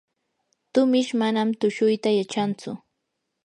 tumish manam tushuyta yachantsu.